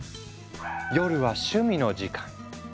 夜は趣味の時間。